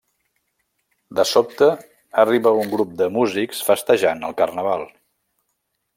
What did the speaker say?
De sobte arriba un grup de músics festejant el carnaval.